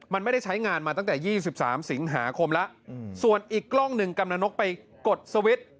ทำงานมาตั้งแต่๒๓สิงหาคมแล้วส่วนอีกกล้องนึงกำลังไปกดสวิตช์